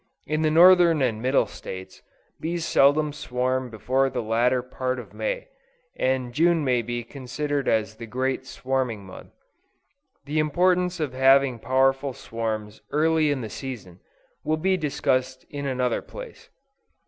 In the Northern and Middle States, bees seldom swarm before the latter part of May; and June may be considered as the great swarming month. The importance of having powerful swarms early in the season, will be discussed in another place.